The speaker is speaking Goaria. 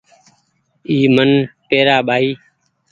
اي من پيرآ ٻآئي